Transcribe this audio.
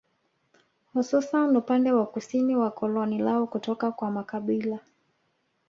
Hususan upande wa kusini wa koloni lao kutoka kwa makabila